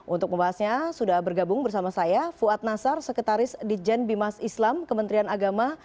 untuk membahasnya sudah bergabung bersama saya fuad nasar sekretaris di jen bimas islam kementerian agama